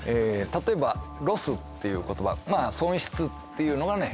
例えば「ロス」っていう言葉まあ損失っていうのがね